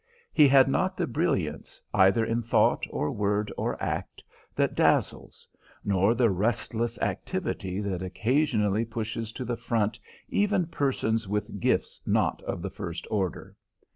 He had not the brilliance, either in thought or word or act, that dazzles, nor the restless activity that occasionally pushes to the front even persons with gifts not of the first order.